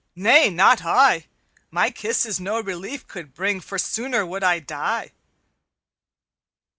'Nay, not I; My kisses no relief could bring, For sooner would I die.'